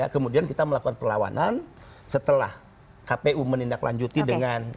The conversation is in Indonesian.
kemudian kita melakukan perlawanan setelah kpu menindaklanjuti dengan